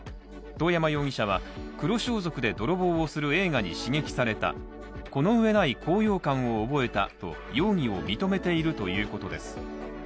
遠山容疑者は黒装束で泥棒をする映画に刺激されたこのうえない高揚感を覚えたと容疑を認めているということです。